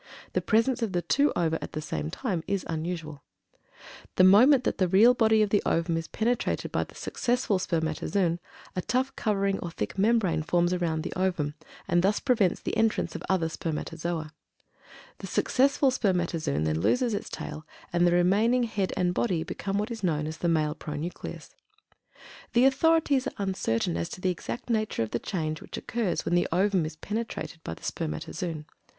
The presence of the two ova at the same time is unusual]. The moment that the real body of the ovum is penetrated by the successful spermatozoon, a tough covering or thick membrane forms around the ovum and thus prevents the entrance of other spermatozoa. The successful spermatozoon then loses its tail, and the remaining head and body become what is known as "the male pronucleus." The authorities are uncertain as to the exact nature of the change which occurs when the ovum is penetrated by the spermatozoon.